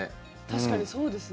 確かにそうですね。